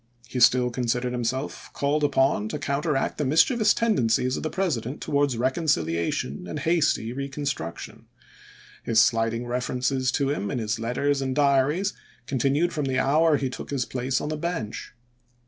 He still considered himself called upon to counter act the mischievous tendencies of the President towards conciliation and hasty reconstruction. His slighting references to him in his letters and diaries continued from the hour he took his place on the bench.